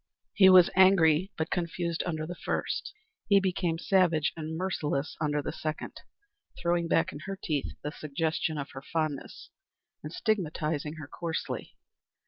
He was angry but confused under the first, he became savage and merciless under the second, throwing back in her teeth the suggestion of her fondness, and stigmatizing her coarsely.